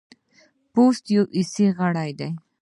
پوستکی یو حسي غړی دی.